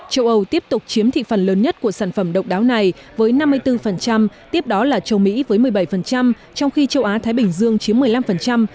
châu âu tiếp tục chiếm thị phần lớn nhất của sản phẩm độc đáo này với năm mươi bốn tiếp đó là châu mỹ với một mươi bảy trong khi châu á thái bình dương chiếm một mươi năm